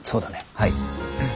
はい。